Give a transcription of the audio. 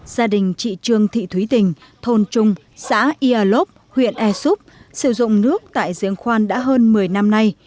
gia đình chị trương thị thúy tình thôn trung xã ia lốc huyện e súp sử dụng nước tại diễn khoan đã hơn một mươi năm nay